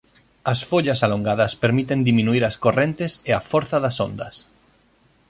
As follas alongadas permiten diminuír as correntes e a forza das ondas.